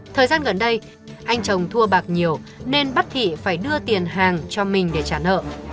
thời gian gần đây anh chồng thua bạc nhiều nên bắt thị phải đưa tiền hàng cho mình để trả nợ